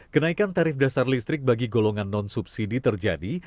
kenaikan tarif dasar listrik bagi golongan non subsidi terjadi